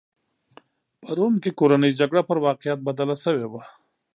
په روم کې کورنۍ جګړه پر واقعیت بدله شوې وه.